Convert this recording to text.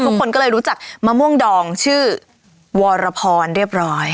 ทุกคนก็เลยรู้จักมะม่วงดองชื่อวรพรเรียบร้อย